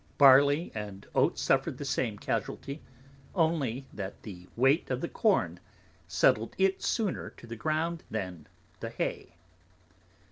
Barly and Oats suffered the same casualty, only that the weight of the Corn settled it sooner to the Ground than the Hay.